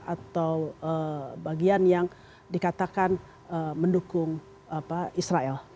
atau bagian yang dikatakan mendukung israel